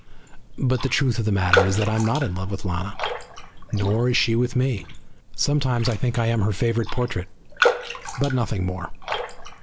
But the truth of the matter is that I'm not in love with Lana, nor she with me. Sometimes I think I am her favorite portrait, but nothing more.